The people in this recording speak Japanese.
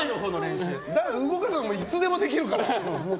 動かすのはいつでもできるから。